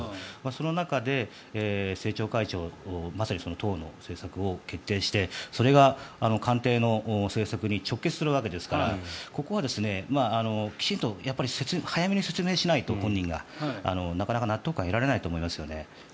その中で、政調会長まさに党の政策を決定してそれが官邸の政策に直結するわけですからここはきちんと早めに本人が説明しないとなかなか納得感が得られないと思いますよね。